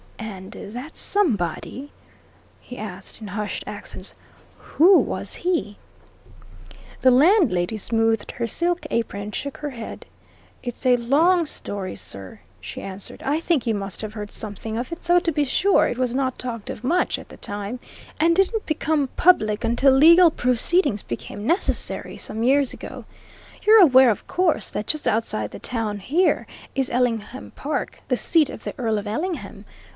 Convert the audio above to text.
"And that somebody?" he asked in hushed accents. "Who was he?" The landlady smoothed her silk apron and shook her head. "It's a long story, sir," she answered. "I think you must have heard something of it though to be sure, it was not talked of much at the time, and didn't become public until legal proceedings became necessary, some years ago. You're aware, of course, that just outside the town here is Ellingham Park, the seat of the Earl of Ellingham.